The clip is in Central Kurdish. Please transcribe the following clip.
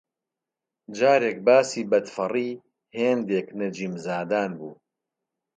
جارێک باسی بەدفەڕی هێندێک نەجیمزادان بوو